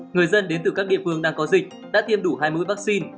người dân đến từ các địa phương đang có dịch đã tiêm đủ hai mũi vaccine